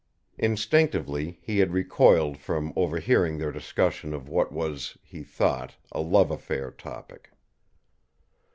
Instinctively, he had recoiled from overhearing their discussion of what was, he thought, a love affair topic.